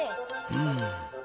うん。